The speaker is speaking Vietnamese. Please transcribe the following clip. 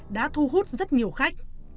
đã thu hút rất nhiều khách